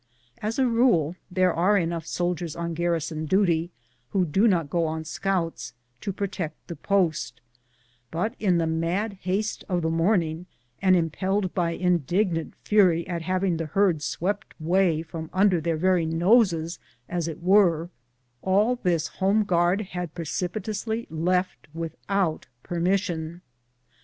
As a rule, there are enough soldiers on garrison duty, who do not go on scouts, to protect the post, but in the mad haste of the morning, and impelled by indignant fury at having the herd swept away from under their very noses as it were, all this home guard had precipitately left with out permission.